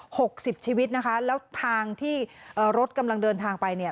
หกสิบชีวิตนะคะแล้วทางที่รถกำลังเดินทางไป